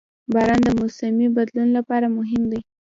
• باران د موسمي بدلون لپاره مهم دی.